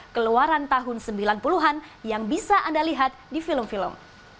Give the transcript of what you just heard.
keluaran tahun sembilan puluh an yang bisa anda lihat di film film